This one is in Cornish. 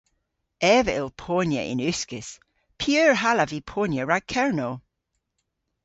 Ev a yll ponya yn uskis. P'eur hallav vy ponya rag Kernow?